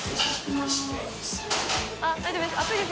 あっ大丈夫です？